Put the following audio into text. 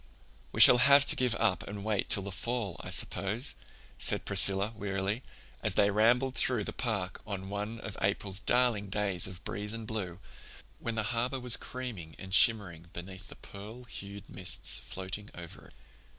"We shall have to give up and wait till the fall, I suppose," said Priscilla wearily, as they rambled through the park on one of April's darling days of breeze and blue, when the harbor was creaming and shimmering beneath the pearl hued mists floating over it.